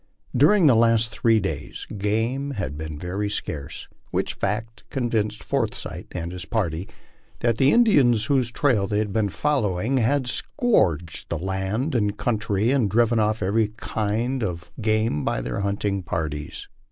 During the last three days game had been very scarce, which fact convinced Forsyth and his party that the Indians whose trail they were following had scoured the coun try and driven off every kind of game by their hunting parties.